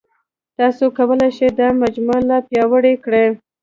تاسو کولای شئ دا مجموعه لا پیاوړې کړئ.